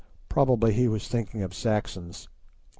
Probably he was thinking of Saxons.